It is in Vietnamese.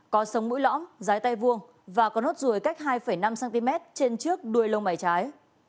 có sống mũi lõm dái tay vuông và con hốt ruồi cách hai năm cm trên trước đuôi lông bảy trái